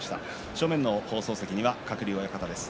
正面の放送席には鶴竜親方です。